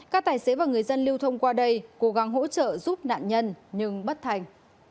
các tài xế và người dân lưu thông qua đây cố gắng hỗ trợ giúp nạn nhân nhưng bất thành